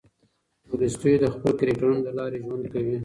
تولستوی د خپلو کرکټرونو له لارې ژوند کوي.